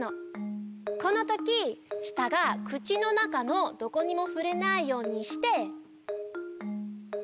このときしたが口の中のどこにもふれないようにして。